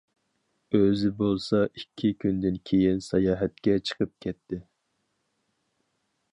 ئۆزى بولسا ئىككى كۈندىن كېيىن ساياھەتكە چىقىپ كەتتى.